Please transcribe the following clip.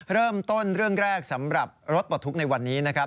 เริ่มต้นเรื่องแรกสำหรับรถปลดทุกข์ในวันนี้นะครับ